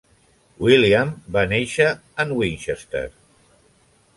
William va nàixer en Winchester.